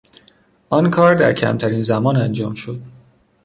آن کار در کمترین زمان انجام شد.